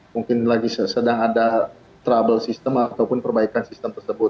mungkin lagi sedang ada trouble system ataupun perbaikan sistem tersebut